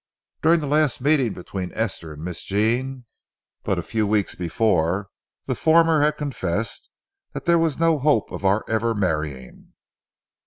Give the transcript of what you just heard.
During the last meeting between Esther and Miss Jean, but a few weeks before, the former had confessed that there was now no hope of our ever marrying.